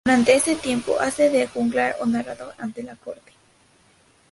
Durante ese tiempo hace de juglar o narrador ante la corte.